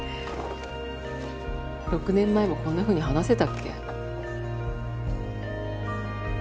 ６年前もこんなふうに話せたっけ？